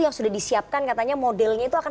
yang sudah disiapkan katanya modelnya itu akan